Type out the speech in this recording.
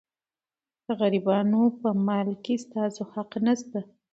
د غریبانو په مال کې ستاسو حق نشته.